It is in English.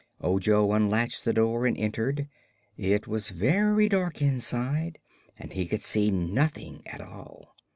Ojo unlatched the door and entered. It was very dark inside and he could see nothing at all.